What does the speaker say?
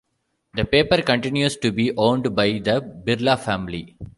The paper continues to be owned by the Birla family.